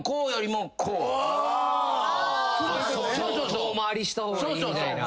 ・遠回りした方がいいみたいな。